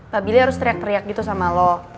pak billy harus teriak teriak gitu sama lo